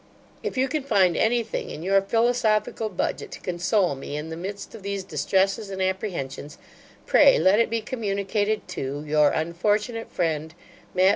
If you can find any thing in your philosophical budget, to console me in the midst of these distresses and apprehensions, pray let it be communicated to Your unfortunate friend, MATT.